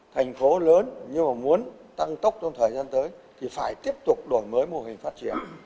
thành phố lớn nhưng mà muốn tăng tốc trong thời gian tới thì phải tiếp tục đổi mới mô hình phát triển